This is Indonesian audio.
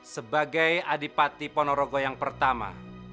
sebagai adipati pono rogo yang pertama